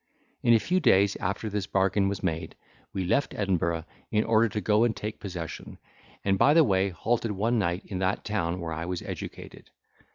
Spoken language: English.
In a few days after this bargain was made, we left Edinburgh, in order to go and take possession; and by the way halted one night in that town where I was educated.